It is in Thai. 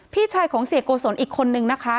พี่ชายของเสียโกศลอีกคนนึงนะคะ